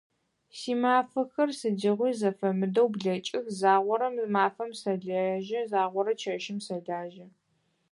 Симэфэхэр сыдигъуи зэфэмыдэу блэкӏых, загъорэ мафэм сэлэжьэ, загъорэ чэщым сэлэжьэ.